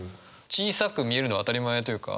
小さく見えるのは当たり前というか。